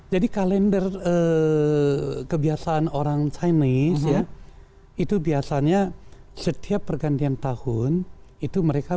jadi kalender kebiasaan orang chinese ya itu biasanya setiap pergantian tahun itu mereka